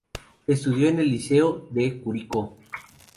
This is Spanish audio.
Estudió en el Liceo de Curicó.